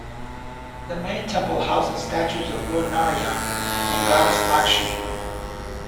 The main temple houses statues of Lord Narayan and Goddess Lakshmi.